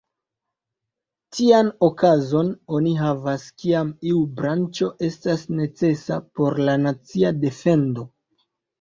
Tian okazon oni havas, kiam iu branĉo estas necesa por la nacia defendo.